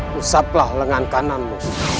pusaplah lengan kananmu